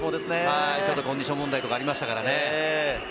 コンディション問題もありましたからね。